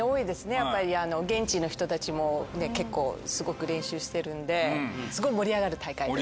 やっぱり現地の人たちも結構すごく練習してるんですごい盛り上がる大会です。